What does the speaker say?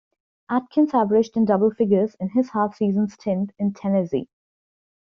Atkins averaged in double figures in his half-season stint in Tennessee.